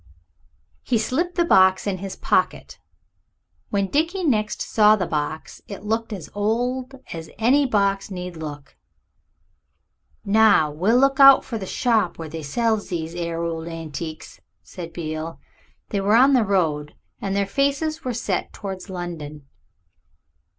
He slipped the box in his pocket. When Dickie next saw the box it looked as old as any box need look. "Now we'll look out for a shop where they sells these 'ere hold antics," said Beale. They were on the road and their faces were set towards London.